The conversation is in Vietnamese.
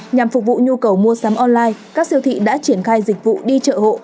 nhằm phục vụ nhu cầu mua sắm online các siêu thị đã triển khai dịch vụ đi chợ hộ